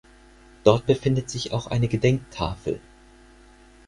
Dort befindet sich auch eine Gedenktafel.